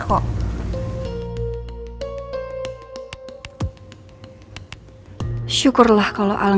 apa yang mereka lakukan itu udah bener